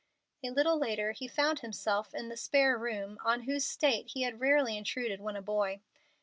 A little later he found himself in the "spare room," on whose state he had rarely intruded when a boy.